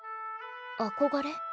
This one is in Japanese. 憧れ？